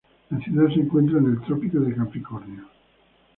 La ciudad se encuentra en el Trópico de Capricornio.